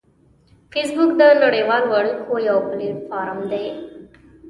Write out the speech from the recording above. فېسبوک د نړیوالو اړیکو یو پلیټ فارم دی